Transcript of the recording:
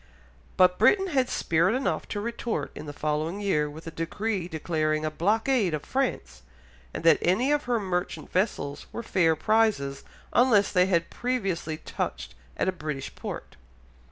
But Britain had spirit enough to retort in the following year with a decree declaring a blockade of France, and that any of her merchant vessels were fair prizes unless they had previously touched at a British port.